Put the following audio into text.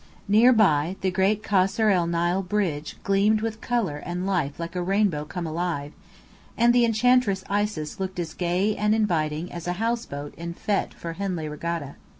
Near by, the great Kasr el Nil bridge gleamed with colour and life like a rainbow "come alive"; and the Enchantress Isis looked as gay and inviting as a houseboat en fête for Henley regatta.